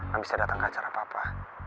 gak bisa dateng ke acara papa